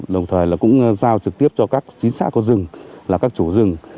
đồng thời là cũng giao trực tiếp cho các chính xã có rừng là các chủ rừng